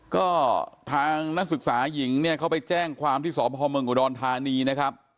ก็ทางนักศึกษาหญิงเนี่ยเขาไปแจ้งความที่สพเมืองอุดรธานีนะครับ